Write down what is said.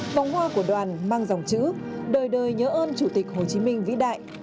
vòng hoa của đoàn mang dòng chữ đời đời nhớ ơn chủ tịch hồ chí minh vĩ đại